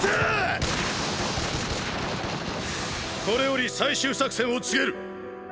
これより最終作戦を告げる！！